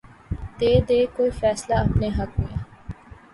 دے دے کوئی فیصلہ اپنے حق میں